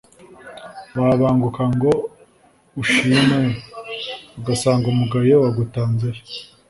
Wabanguka ngo ushimwe, ugasanga umugayo wagutanzeyo.